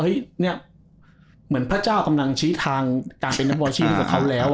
เนี่ยเหมือนพระเจ้ากำลังชี้ทางการเป็นนักบอลอาชีพให้กับเขาแล้ว